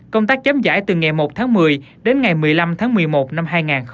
công tác chấm giải từ ngày một tháng một mươi đến ngày một mươi năm tháng một mươi một năm hai nghìn hai mươi